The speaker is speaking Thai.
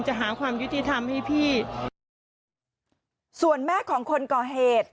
หาความยุติธรรมให้พี่ส่วนแม่ของคนก่อเหตุ